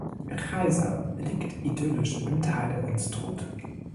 Reiser liegt idyllisch im Tal der Unstrut.